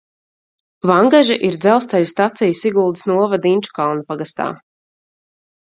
Vangaži ir dzelzceļa stacija Siguldas novada Inčukalna pagastā.